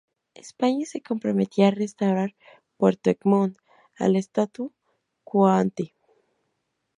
España se comprometía a restaurar Puerto Egmont al "statu quo ante".